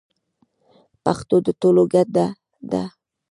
پښتو د ټولو ګډه ده.